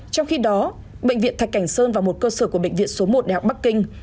trong khi đó bệnh viện thạch cảnh sơn và một cơ sở của bệnh viện số một đại học bắc kinh